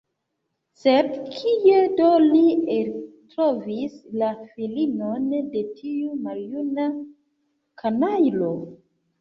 Sed kie do li eltrovis la filinon de tiu maljuna kanajlo?